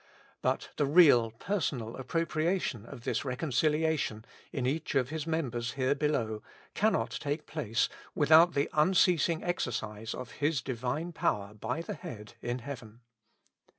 But the real personal appropriation of this reconciliation in each of His members here below cannot take place without the unceasing exercise of His Divine power by the head in heaven.